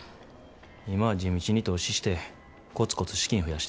今は地道に投資してコツコツ資金増やしてる。